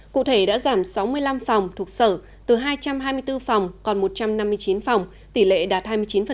cụ thể đã giảm sáu mươi năm phòng thuộc sở từ hai trăm hai mươi bốn phòng còn một trăm năm mươi chín phòng tỷ lệ đạt hai mươi chín